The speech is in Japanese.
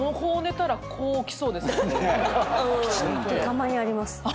たまにあります。